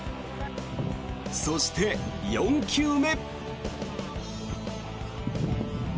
そして、４球目。